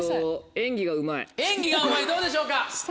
演技がうまいどうでしょうか？